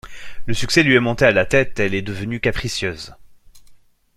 Le succès lui est monté à la tête, elle est devenue capricieuse.